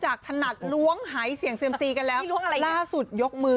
อายุแม่อายุแม่